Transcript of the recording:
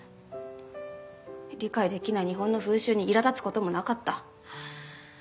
理解できない日本の風習にいら立つ事もなかった。